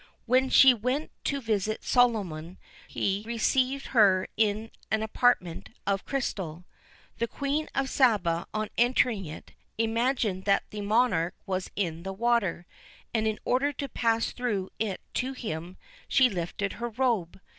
When she went to visit Solomon, he received her in an apartment of crystal. The Queen of Saba on entering it, imagined that the Monarch was in the water, and in order to pass through it to him, she lifted her robe.